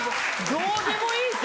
「どうでもいい」って。